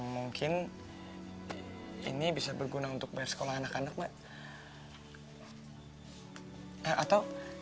mungkin ini bisa berguna untuk bayar sekolah anak anak mbak